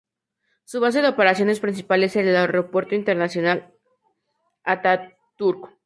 Su base de operaciones principal es el Aeropuerto Internacional Atatürk.